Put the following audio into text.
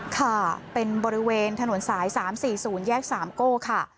ค่ะเป็นบริเวณถนนสาย๓๔๐แยก๓โก้ค่ะ